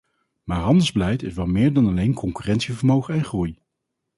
Maar handelsbeleid is wel meer dan alleen concurrentievermogen en groei.